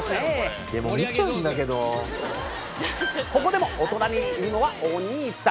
ここでもお隣にいるのはお兄さん。